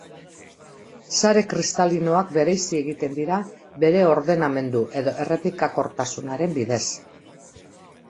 Sare kristalinoak bereizi egiten dira, bere ordenamendu edo errepikakortasunaren bidez.